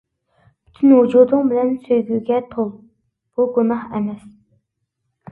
پۈتۈن ۋۇجۇدۇڭ بىلەن سۆيگۈگە تول، بۇ گۇناھ ئەمەس.